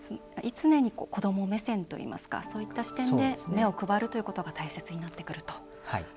常に子ども目線といいますかそういった視点で目を配るということが大切になってくると。